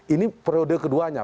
ini periode keduanya